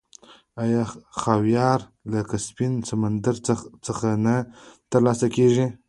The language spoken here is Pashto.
آیا خاویار له کسپین سمندر څخه نه ترلاسه کیږي؟